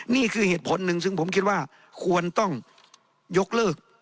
นี่คือเหตุผลหนึ่งซึ่งผมคิดว่าควรต้องยกเลิก